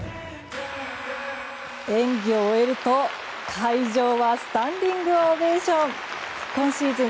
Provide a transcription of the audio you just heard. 演技を終えると、会場はスタンディングオベーション。